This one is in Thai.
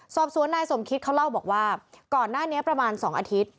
สอบสวนนายสมคิตเขาเล่าบอกว่าก่อนหน้านี้ประมาณ๒อาทิตย์